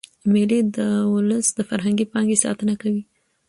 مېلې د اولس د فرهنګي پانګي ساتنه کوي.